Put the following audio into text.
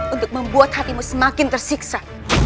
untuk membuat hatimu semakin tersiksa